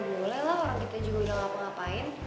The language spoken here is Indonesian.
ya boleh lah orang kita juga udah ngapa ngapain